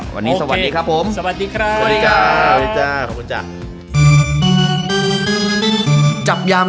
วันนี้สวัสดีครับผม